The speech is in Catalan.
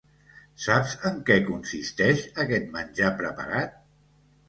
Saps en què consisteix aquest menjar preparat?